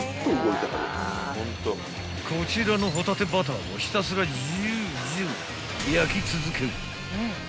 ［こちらのホタテバターもひたすらジュージュー焼き続ける］